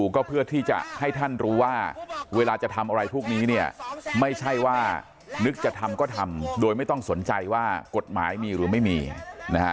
ก็เพื่อที่จะให้ท่านรู้ว่าเวลาจะทำอะไรพวกนี้เนี่ยไม่ใช่ว่านึกจะทำก็ทำโดยไม่ต้องสนใจว่ากฎหมายมีหรือไม่มีนะฮะ